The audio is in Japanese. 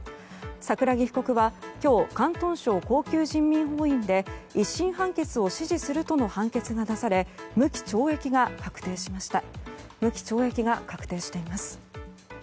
桜木被告は今日広東省高級人民法院で１審判決を支持するとの判決が出され無期懲役が確定しました。